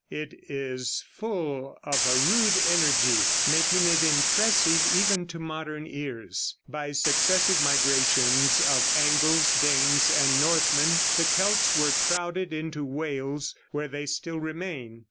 It is full of a rude energy, making it impressive even to modern ears. By successive migrations of Angles, Danes and Northmen, the Celts were crowded into Wales, where they still remain.